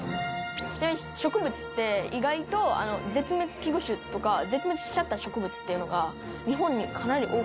ちなみに植物って意外と絶滅危惧種とか絶滅しちゃった植物っていうのが日本にかなり多くて